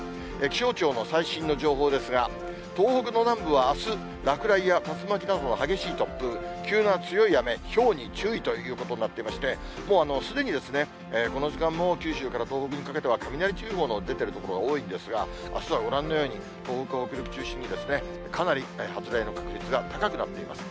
気象庁の最新の情報ですが、東北の南部はあす、落雷や竜巻などの激しい突風、急な強い雨、ひょうに注意ということになっていまして、もうすでにこの時間も九州から東北にかけては、雷注意報の出ている所が多いんですが、あすはご覧のように、東北、北陸中心に、かなり発雷の確率が高くなっています。